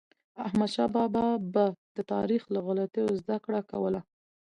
احمدشاه بابا به د تاریخ له غلطیو زدهکړه کوله.